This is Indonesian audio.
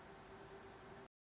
oke terima kasih